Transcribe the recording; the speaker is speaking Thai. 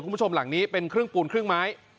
คุณผู้ชมหลังนี้เป็นครึ่งปูนครึ่งไม้